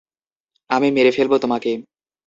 আমি মেরে ফেলবো তোমাকে।